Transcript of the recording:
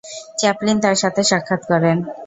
Chaplin তার সাথে সাক্ষাৎ করেন।